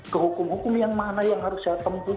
ke hukum hukum yang mana yang harus saya tempuh